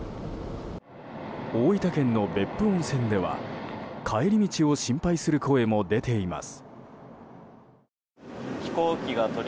大分県の別府温泉では帰り道を心配する声も出ています。